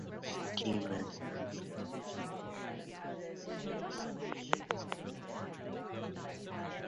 Pineapple is the city's major export.